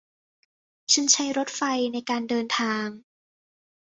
ฉันใช้รถไฟในการเดินทาง